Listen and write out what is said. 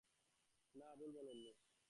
না, ভুল বলেন নি।